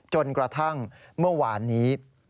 จนกระทั่งเมื่อวานนี้